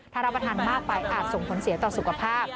ถ้ารับประทานมากไปอาจส่งผลเสียต่อสุขภาพ